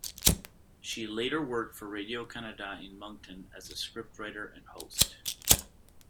She later worked for Radio-Canada in Moncton as a script writer and host.